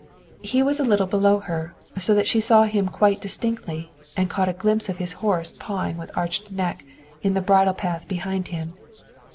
He was a little below her, so that she saw him quite distinctly, and caught a glimpse of his horse pawing, with arched neck, in the bridle path behind him.